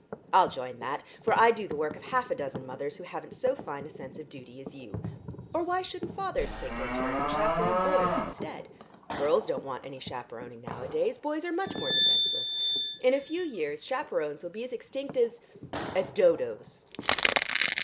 I'll join that, for I do the work of half a dozen mothers who haven't so fine a sense of duty as you. Or why shouldn't fathers take their turn and chaperone boys instead? Girls don't want any chaperoning nowadays, boys are much more defenceless. In a few years chaperones will be as extinct as as Dodos."